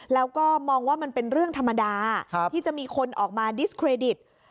แล้วก็มองว่ามันเป็นเรื่องธรรมดาที่จะมีคนออกมาดิสเครดิต